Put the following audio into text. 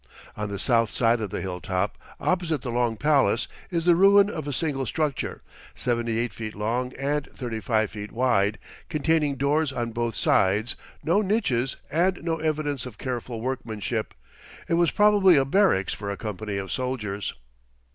On the south side of the hilltop, opposite the long palace, is the ruin of a single structure, 78 feet long and 35 feet wide, containing doors on both sides, no niches and no evidence of careful workmanship. It was probably a barracks for a company of soldiers.